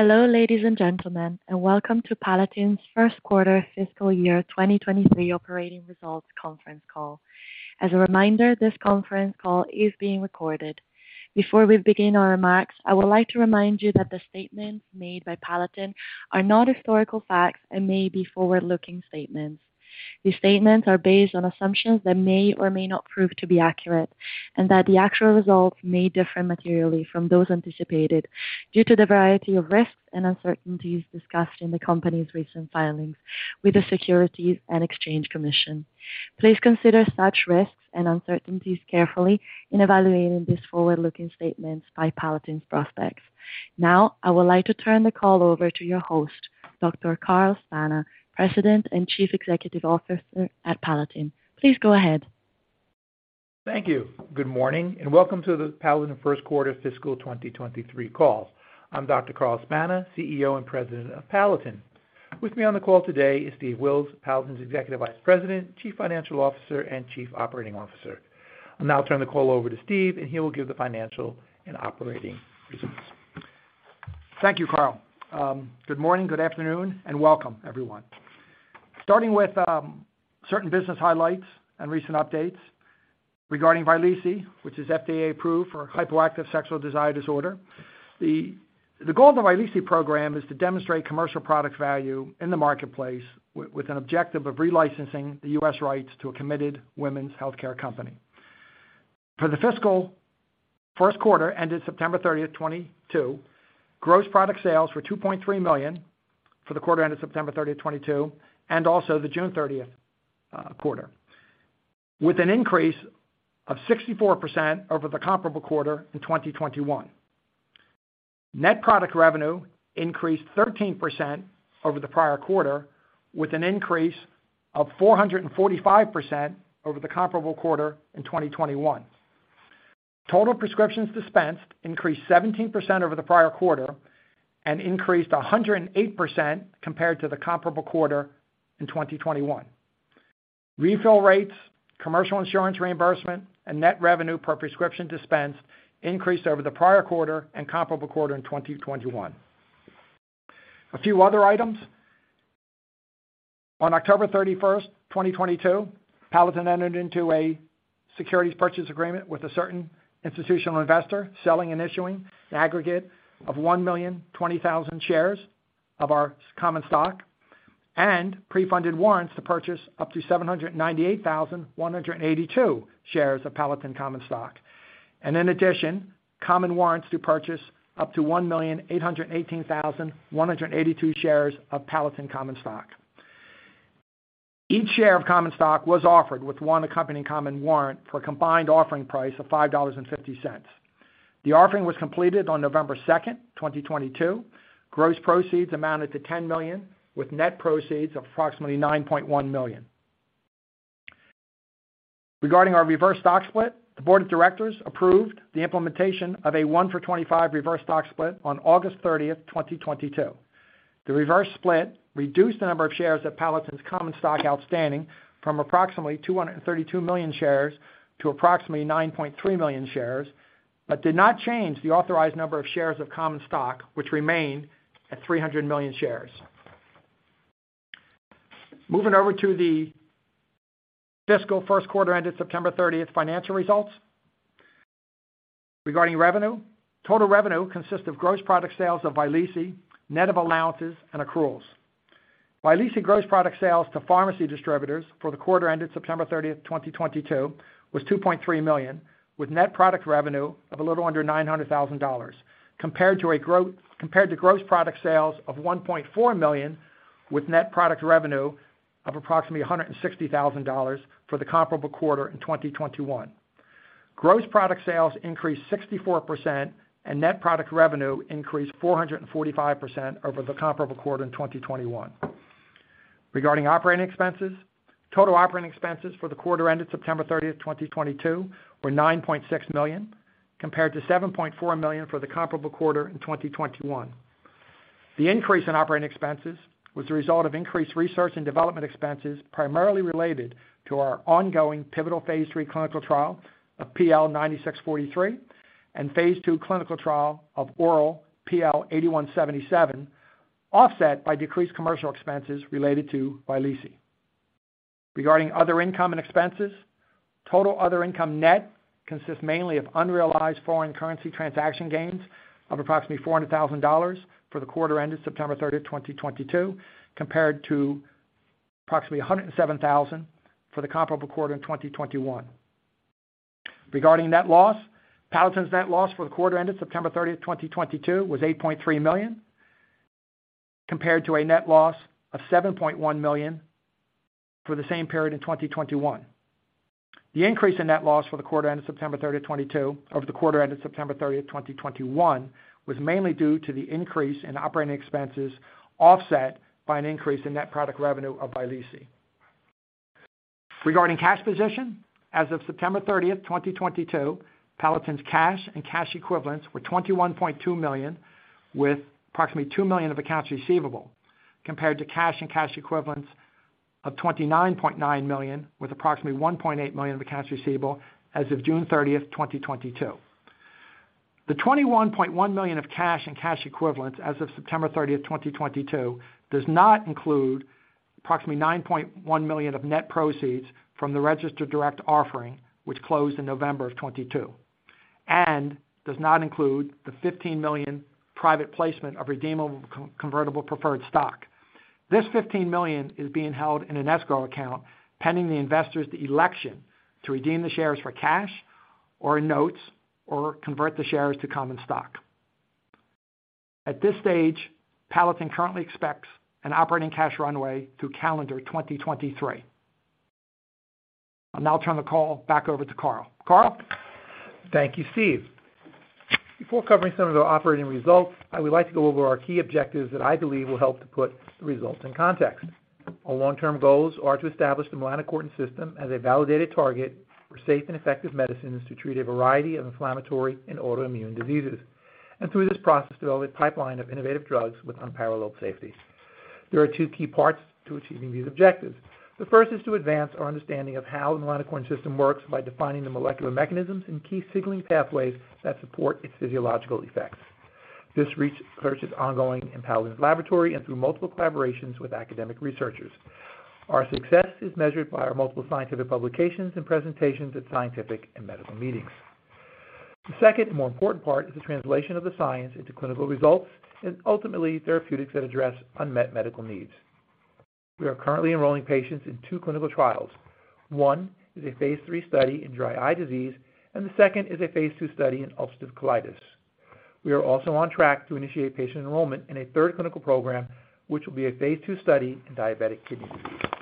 Hello, ladies and gentlemen, and welcome to Palatin's first quarter fiscal year 2023 operating results conference call. As a reminder, this conference call is being recorded. Before we begin our remarks, I would like to remind you that the statements made by Palatin are not historical facts and may be forward-looking statements. These statements are based on assumptions that may or may not prove to be accurate, and that the actual results may differ materially from those anticipated due to the variety of risks and uncertainties discussed in the company's recent filings with the Securities and Exchange Commission. Please consider such risks and uncertainties carefully in evaluating these forward-looking statements by Palatin's prospects. Now, I would like to turn the call over to your host, Dr. Carl Spana, President and Chief Executive Officer at Palatin. Please go ahead. Thank you. Good morning, and welcome to the Palatin first quarter fiscal 2023 call. I'm Dr. Carl Spana, CEO and President of Palatin. With me on the call today is Steve Wills, Palatin's Executive Vice President, Chief Financial Officer, and Chief Operating Officer. I'll now turn the call over to Steve, and he will give the financial and operating results. Thank you, Carl. Good morning, good afternoon, and welcome everyone. Starting with certain business highlights and recent updates regarding Vyleesi, which is FDA-approved for hypoactive sexual desire disorder. The goal of the Vyleesi program is to demonstrate commercial product value in the marketplace with an objective of re-licensing the U.S. rights to a committed women's healthcare company. For the fiscal first quarter ended September 30, 2022, gross product sales were $2.3 million for the quarter ended September 30, 2022 and also the June 30 quarter, with an increase of 64% over the comparable quarter in 2021. Net product revenue increased 13% over the prior quarter, with an increase of 445% over the comparable quarter in 2021. Total prescriptions dispensed increased 17% over the prior quarter and increased 108% compared to the comparable quarter in 2021. Refill rates, commercial insurance reimbursement, and net revenue per prescription dispensed increased over the prior quarter and comparable quarter in 2021. A few other items. On October 31, 2022, Palatin entered into a securities purchase agreement with a certain institutional investor, selling and issuing an aggregate of 1,020,000 shares of our common stock and pre-funded warrants to purchase up to 798,182 shares of Palatin common stock. In addition, common warrants to purchase up to 1,818,182 shares of Palatin common stock. Each share of common stock was offered with one accompanying common warrant for a combined offering price of $5.50. The offering was completed on November 2, 2022. Gross proceeds amounted to $10 million, with net proceeds of approximately $9.1 million. Regarding our reverse stock split, the board of directors approved the implementation of a 1-for-25 reverse stock split on August 30, 2022. The reverse split reduced the number of shares of Palatin's common stock outstanding from approximately 232 million shares to approximately 9.3 million shares, but did not change the authorized number of shares of common stock, which remained at 300 million shares. Moving over to the fiscal first quarter ended September 30 financial results. Regarding revenue, total revenue consists of gross product sales of Vyleesi, net of allowances and accruals. Vyleesi gross product sales to pharmacy distributors for the quarter ended September 30, 2022 was $2.3 million, with net product revenue of a little under $900,000, compared to gross product sales of $1.4 million, with net product revenue of approximately $160,000 for the comparable quarter in 2021. Gross product sales increased 64% and net product revenue increased 445% over the comparable quarter in 2021. Regarding operating expenses, total operating expenses for the quarter ended September 30, 2022 were $9.6 million, compared to $7.4 million for the comparable quarter in 2021. The increase in operating expenses was the result of increased research and development expenses, primarily related to our ongoing pivotal phase III clinical trial of PL9643 and phase II clinical trial of oral PL8177, offset by decreased commercial expenses related to Vyleesi. Regarding other income and expenses, total other income net consists mainly of unrealized foreign currency transaction gains of approximately $400,000 for the quarter ended September 30, 2022, compared to approximately $107,000 for the comparable quarter in 2021. Regarding net loss, Palatin's net loss for the quarter ended September 30, 2022 was $8.3 million, compared to a net loss of $7.1 million for the same period in 2021. The increase in net loss for the quarter ended September 30, 2022 over the quarter ended September 30, 2021 was mainly due to the increase in operating expenses, offset by an increase in net product revenue of Vyleesi. Regarding cash position, as of September 30, 2022, Palatin's cash and cash equivalents were $21.2 million, with approximately $2 million of accounts receivable, compared to cash and cash equivalents of $29.9 million, with approximately $1.8 million of accounts receivable as of June 30, 2022. The $21.1 million of cash and cash equivalents as of September 30, 2022, does not include approximately $9.1 million of net proceeds from the registered direct offering, which closed in November 2022, and does not include the $15 million private placement of redeemable convertible preferred stock. This $15 million is being held in an escrow account pending the investors' election to redeem the shares for cash or notes or convert the shares to common stock. At this stage, Palatin currently expects an operating cash runway through calendar 2023. I'll now turn the call back over to Carl. Carl? Thank you, Steve. Before covering some of the operating results, I would like to go over our key objectives that I believe will help to put the results in context. Our long-term goals are to establish the melanocortin system as a validated target for safe and effective medicines to treat a variety of inflammatory and autoimmune diseases. Through this process, develop a pipeline of innovative drugs with unparalleled safety. There are two key parts to achieving these objectives. The first is to advance our understanding of how the melanocortin system works by defining the molecular mechanisms and key signaling pathways that support its physiological effects. This research is ongoing in Palatin's laboratory and through multiple collaborations with academic researchers. Our success is measured by our multiple scientific publications and presentations at scientific and medical meetings. The second and more important part is the translation of the science into clinical results and ultimately therapeutics that address unmet medical needs. We are currently enrolling patients in two clinical trials. One is a phase III study in dry eye disease, and the second is a phase II study in ulcerative colitis. We are also on track to initiate patient enrollment in a third clinical program, which will be a phase II study in diabetic kidney disease.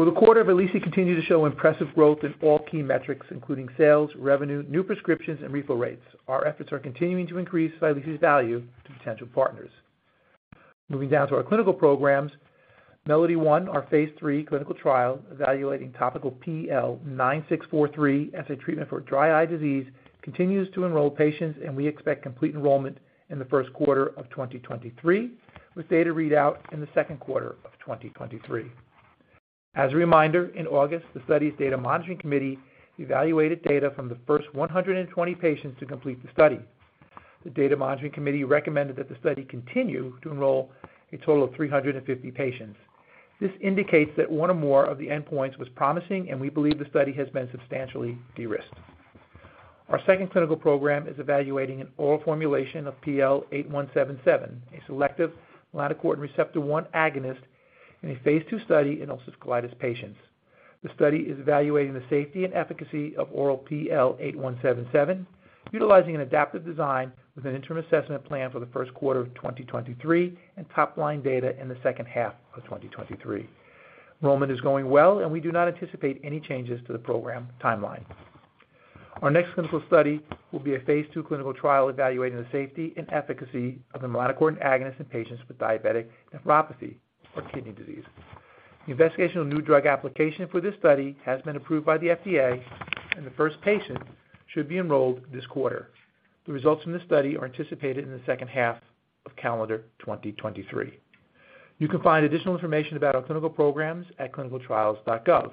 For the quarter, Vyleesi continued to show impressive growth in all key metrics, including sales, revenue, new prescriptions, and refill rates. Our efforts are continuing to increase Vyleesi's value to potential partners. Moving down to our clinical programs, MELODY-1, our phase III clinical trial evaluating topical PL9643 as a treatment for dry eye disease, continues to enroll patients, and we expect complete enrollment in the first quarter of 2023, with data readout in the second quarter of 2023. As a reminder, in August, the study's data monitoring committee evaluated data from the first 120 patients to complete the study. The data monitoring committee recommended that the study continue to enroll a total of 350 patients. This indicates that one or more of the endpoints was promising, and we believe the study has been substantially de-risked. Our second clinical program is evaluating an oral formulation of PL8177, a selective melanocortin receptor 1 agonist in a phase II study in ulcerative colitis patients. The study is evaluating the safety and efficacy of oral PL8177, utilizing an adaptive design with an interim assessment plan for the first quarter of 2023 and top-line data in the second half of 2023. Enrollment is going well, and we do not anticipate any changes to the program timeline. Our next clinical study will be a phase II clinical trial evaluating the safety and efficacy of the melanocortin agonist in patients with diabetic nephropathy or kidney disease. The Investigational New Drug Application for this study has been approved by the FDA, and the first patient should be enrolled this quarter. The results from this study are anticipated in the second half of calendar 2023. You can find additional information about our clinical programs at ClinicalTrials.gov.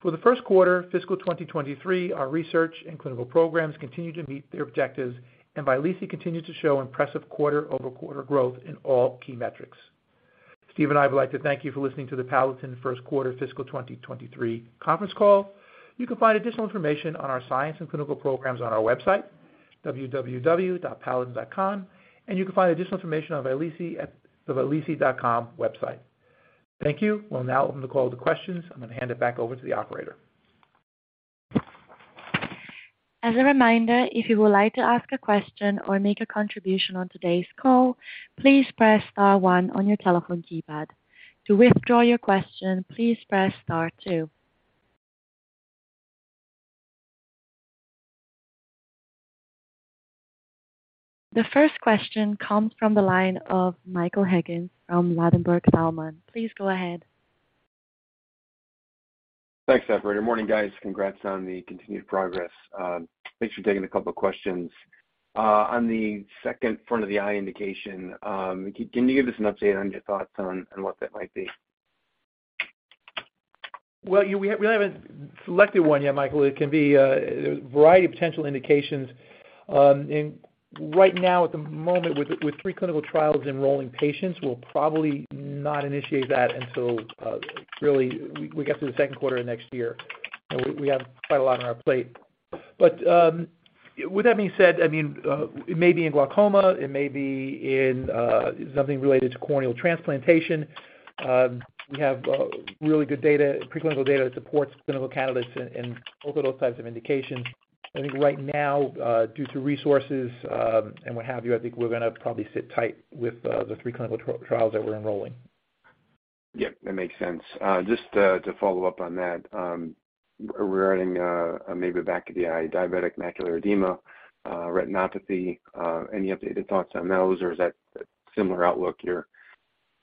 For the first quarter fiscal 2023, our research and clinical programs continued to meet their objectives, and Vyleesi continues to show impressive quarter-over-quarter growth in all key metrics. Steve and I would like to thank you for listening to the Palatin first quarter fiscal 2023 conference call. You can find additional information on our science and clinical programs on our website, www.palatin.com, and you can find additional information on Vyleesi at the vyleesi.com website. Thank you. We'll now open the call to questions. I'm going to hand it back over to the operator. As a reminder, if you would like to ask a question or make a contribution on today's call, please press star one on your telephone keypad. To withdraw your question, please press star two. The first question comes from the line of Michael Higgins from Ladenburg Thalmann. Please go ahead. Thanks, operator. Morning, guys. Congrats on the continued progress. Thanks for taking a couple of questions. On the second front of the eye indication, can you give us an update on your thoughts on what that might be? Well, we haven't selected one yet, Michael. It can be a variety of potential indications. Right now at the moment with 3 clinical trials enrolling patients, we'll probably not initiate that until really we get through the second quarter of next year. We have quite a lot on our plate. With that being said, I mean, it may be in glaucoma, it may be in something related to corneal transplantation. We have really good data, pre-clinical data that supports clinical catalysts in both of those types of indications. I think right now due to resources and what have you, I think we're gonna probably sit tight with the 3 clinical trials that we're enrolling. Yeah, that makes sense. Just to follow up on that, regarding maybe back to the diabetic macular edema, retinopathy, any updated thoughts on those, or is that a similar outlook, you're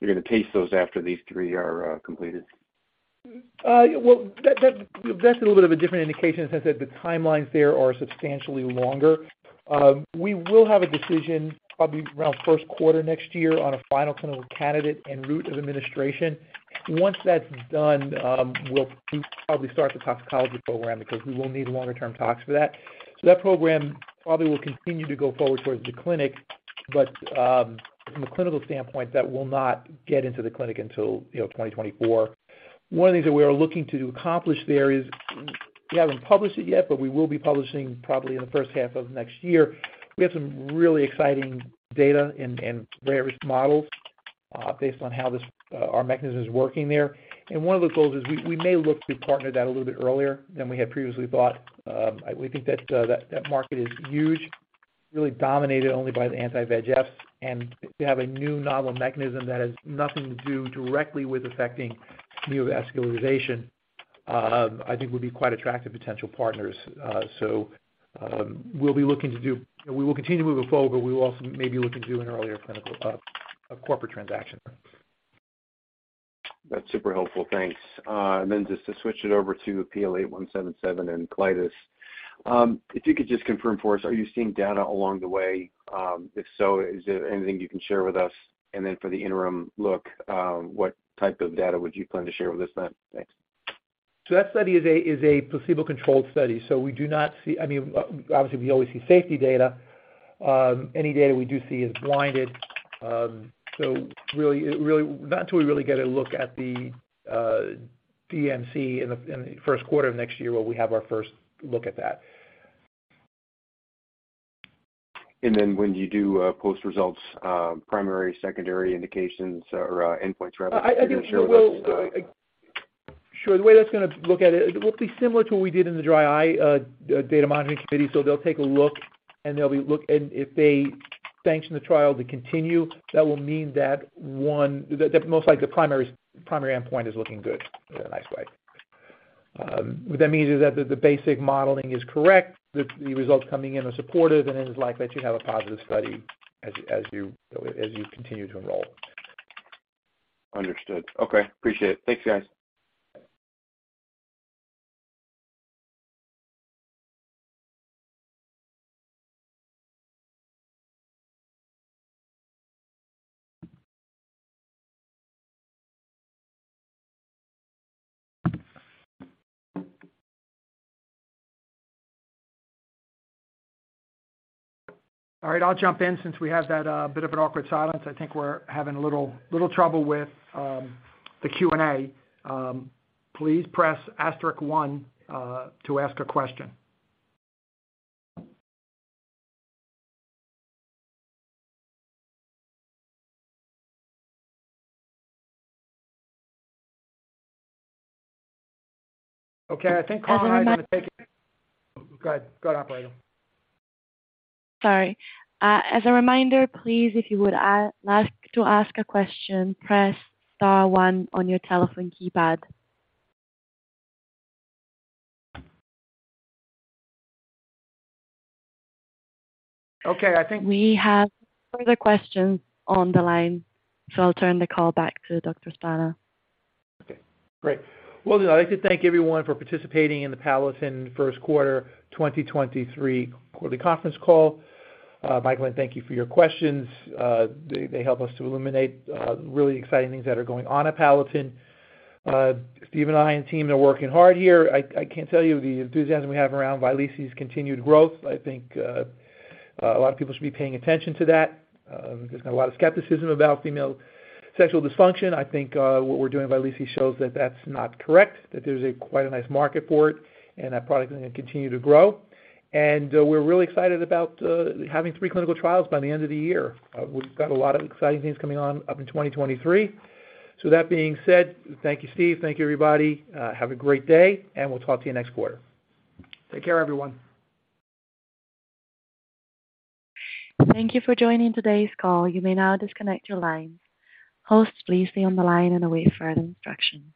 gonna pace those after these three are completed? Well, that's a little bit of a different indication since the timelines there are substantially longer. We will have a decision probably around first quarter next year on a final clinical candidate and route of administration. Once that's done, we'll probably start the toxicology program because we will need longer-term tox for that. That program probably will continue to go forward towards the clinic. From a clinical standpoint, that will not get into the clinic until 2024. One of the things that we are looking to accomplish there is, we haven't published it yet, but we will be publishing probably in the first half of next year. We have some really exciting data and rare risk models based on how our mechanism is working there. One of the goals is we may look to partner that a little bit earlier than we had previously thought. We think that market is huge, really dominated only by the anti-VEGF. To have a new novel mechanism that has nothing to do directly with affecting neovascularization, I think would be quite attractive potential partners. We'll be looking to do We will continue to move it forward, but we will also maybe looking to do an earlier clinical, a corporate transaction. That's super helpful. Thanks. Just to switch it over to PL8177 and colitis. If you could just confirm for us, are you seeing data along the way? If so, is there anything you can share with us? For the interim look, what type of data would you plan to share with us then? Thanks. That study is a placebo-controlled study, so we do not see. I mean, obviously, we only see safety data. Any data we do see is blinded. Really not until we really get a look at the DMC in the first quarter of next year will we have our first look at that. When you do post results, primary, secondary endpoints rather, are you gonna share those? Sure. The way that's gonna look at it will be similar to what we did in the dry eye Data Monitoring Committee. They'll take a look, and if they sanction the trial to continue, that will mean that, one, that most likely the primary endpoint is looking good in a nice way. What that means is that the basic modeling is correct, the results coming in are supportive, and it is likely to have a positive study as you continue to enroll. Understood. Okay. Appreciate it. Thanks, guys. All right, I'll jump in since we have that bit of an awkward silence. I think we're having a little trouble with the Q&A. Please press asterisk one to ask a question. Okay. I think Colin might want to take it. Go ahead, operator. Sorry. As a reminder, please, if you would like to ask a question, press star one on your telephone keypad. Okay. I think. We have further questions on the line, so I'll turn the call back to Dr. Spana. Okay, great. Well, I'd like to thank everyone for participating in the Palatin first quarter 2023 quarterly conference call. Michael and thank you for your questions. They help us to illuminate really exciting things that are going on at Palatin. Steve and I and team are working hard here. I can't tell you the enthusiasm we have around Vyleesi's continued growth. I think a lot of people should be paying attention to that. There's been a lot of skepticism about female sexual dysfunction. I think what we're doing at Vyleesi shows that that's not correct, that there's quite a nice market for it, and that product is gonna continue to grow. We're really excited about having three clinical trials by the end of the year. We've got a lot of exciting things coming up in 2023. That being said, thank you, Steve. Thank you, everybody. Have a great day, and we'll talk to you next quarter. Take care, everyone. Thank you for joining today's call. You may now disconnect your lines. Hosts, please stay on the line and await further instruction.